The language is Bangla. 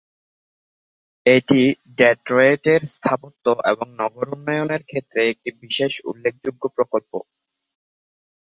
এটি ডেট্রয়েটের স্থাপত্য এবং নগর উন্নয়নের ক্ষেত্রে একটি বিশেষ উল্লেখযোগ্য প্রকল্প।